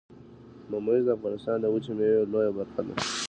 ممیز د افغانستان د وچې میوې لویه برخه ده